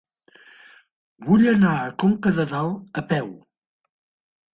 Vull anar a Conca de Dalt a peu.